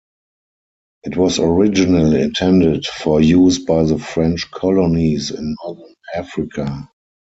It was originally intended for use by the French colonies in Northern Africa.